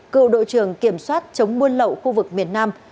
cựu đội trưởng kiểm soát chống buôn lậu khu vực miền nam